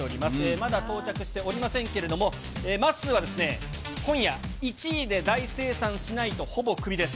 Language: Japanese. まだ到着しておりませんけれども、まっすーは今夜、１位で大精算しないと、ほぼクビです。